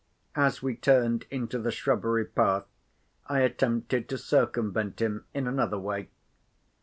As we turned into the shrubbery path, I attempted to circumvent him in another way.